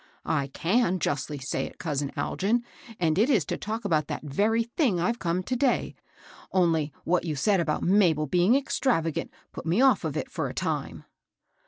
" I can justly say it, cousin Algin ; and it is to talk about that very thing I've come to day, — only what you said about Mabel being extravagant put me ofl^ of it for a time."